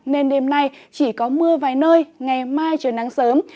nên đêm nay chỉ có mưa vài nơi ngày mai trời nắng sớm